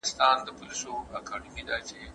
خو دموکراسي ورو ورو له منځه ولاړه.